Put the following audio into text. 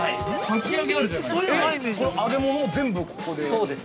この揚げ物を全部ここで？